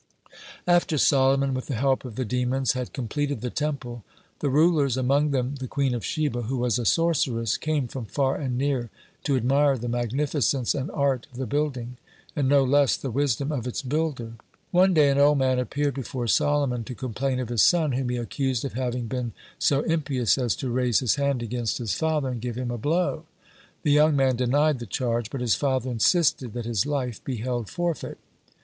After Solomon with the help of the demons had completed the Temple, the rulers, among them the Queen of Sheba, who was a sorceress, came from far and near to admire the magnificence and art of the building, and no less the wisdom of its builder. (55) One day an old man appeared before Solomon to complain of his son, whom he accused of having been so impious as to raise his hand against his father and give him a blow. The young man denied the charge, but his father insisted that his life be held forfeit.